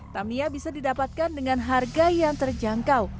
tamiya bisa didapatkan dengan harga yang terjangkau